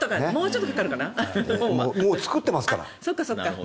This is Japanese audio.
もう作ってますから。